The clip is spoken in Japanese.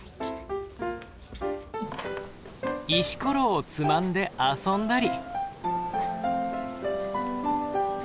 石ころをつまんで遊んだり。